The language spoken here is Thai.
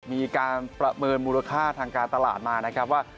มีการประเมินมูลค่าทางการตลาดมานะครับว่า